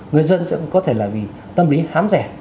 người dân sẽ có thể là vì tâm lý khám rẻ